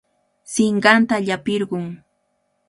Sinqanta llapirqun.